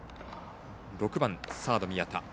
６番サード、宮田。